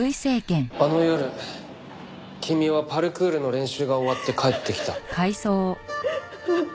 あの夜君はパルクールの練習が終わって帰ってきた。